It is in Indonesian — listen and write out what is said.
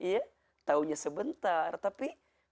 tapi kalau allah sudah menjelaskan kita